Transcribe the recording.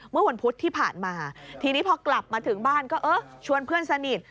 เมื่อวันพุธที่ผ่านมาทีนี้พอกลับมาถึงบ้านก็เออชวนเพื่อนสนิท